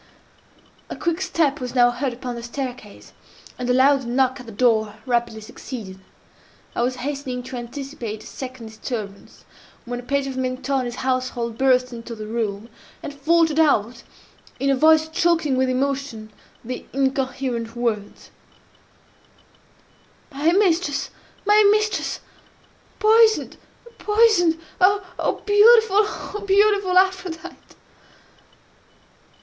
A quick step was now heard upon the staircase, and a loud knock at the door rapidly succeeded. I was hastening to anticipate a second disturbance, when a page of Mentoni's household burst into the room, and faltered out, in a voice choking with emotion, the incoherent words, "My mistress!—my mistress!—Poisoned!—poisoned! Oh, beautiful—oh, beautiful Aphrodite!"